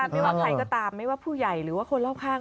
ไม่ว่าใครก็ตามไม่ว่าผู้ใหญ่หรือว่าคนรอบข้าง